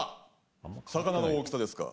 魚の大きさですか。